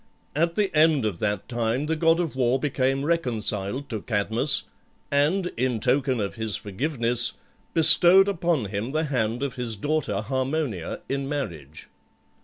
At the end of that time the god of war became reconciled to Cadmus, and, in token of his forgiveness, bestowed upon him the hand of his daughter Harmonia in marriage.